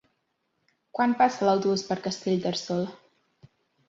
Quan passa l'autobús per Castellterçol?